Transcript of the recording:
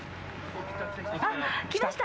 あっ、きました！